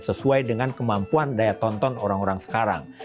sesuai dengan kemampuan daya tonton orang orang sekarang